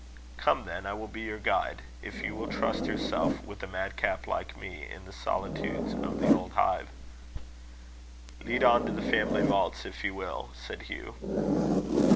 "Come, then; I will be your guide if you will trust yourself with a madcap like me, in the solitudes of the old hive." "Lead on to the family vaults, if you will," said Hugh.